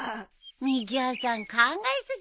みぎわさん考え過ぎだよ。